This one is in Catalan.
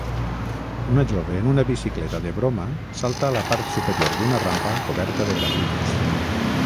Un jove en una bicicleta de broma salta a la part superior d'una rampa coberta de grafitis